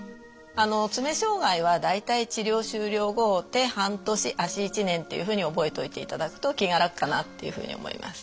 あの爪障害は大体治療終了後手半年足１年っていうふうに覚えといていただくと気が楽かなっていうふうに思います。